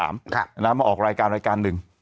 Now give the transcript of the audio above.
มาออกรายการนึง